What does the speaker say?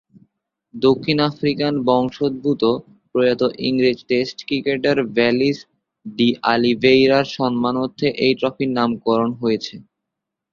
দক্ষিণ আফ্রিকান বংশোদ্ভূত প্রয়াত ইংরেজ টেস্ট ক্রিকেটার ব্যাসিল ডি’অলিভেইরা’র সম্মানার্থে এ ট্রফির নামকরণ হয়েছে।